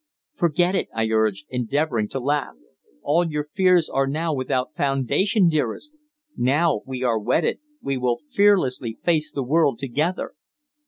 "Forget it," I urged, endeavouring to laugh. "All your fears are now without foundation, dearest. Now we are wedded, we will fearlessly face the world together."